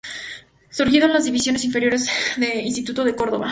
Surgido de las divisiones inferiores de Instituto de Cordoba.